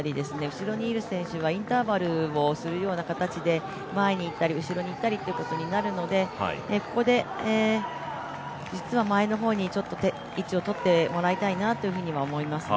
後ろにいる選手はインターバルをするような形で前に行ったり後ろに行ったりということになるのでここで前の方に位置を取ってもらいたいなっていうふうには思いますね。